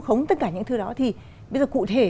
khống tất cả những thứ đó thì bây giờ cụ thể